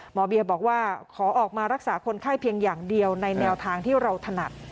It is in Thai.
หมอเบียบอกว่าขอออกมารักษาคนไข้เพียงอย่างเดียวในแนวทางที่เราถนัด